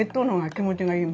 気持ちがいい？